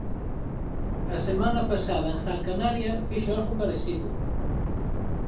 A semana pasada en Gran Canaria fixo algo parecido.